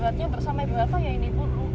beratnya bersama berapa ya ini